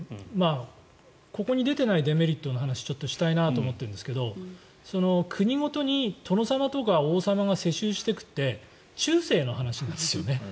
ここに出てないデメリットの話をしたいなと思ってるんですが国ごとに殿様とか王様が世襲していくって中世の話なんですよね。